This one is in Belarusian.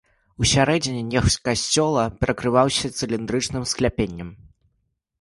Усярэдзіне неф касцёла перакрываўся цыліндрычным скляпеннем.